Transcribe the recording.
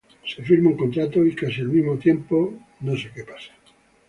Se firma un contrato y casi al mismo tiempo, Mr.